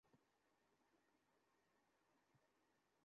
সেটাও বের করো।